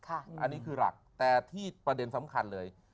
อันนี้คือหลักแต่ที่ประเด็นสำคัญเลย